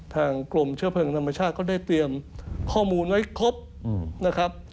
ทางกรมเชื้อเพลิงธรรมชาติก็ได้เตรียมข้อมูลไว้ครบนะครับ